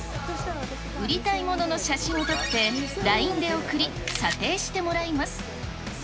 売りたいものの写真を撮って、ＬＩＮＥで送り査定してもらいます。